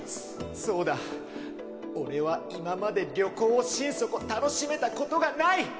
そうだ俺は今まで旅行を心底楽しめたことがない！